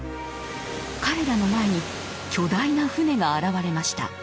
彼らの前に巨大な船が現れました。